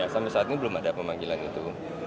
sampai saat ini belum ada pemanggilan itu